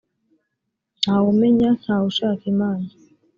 nta wumenya nta wushaka imana